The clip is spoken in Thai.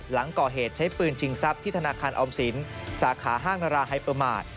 หลังก่อเหตุใช้ปืนชิงทรัพย์ที่ธนาคารออมสินสาขาห้างราไฮเปอร์มาร์ท